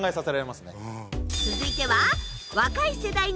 続いては。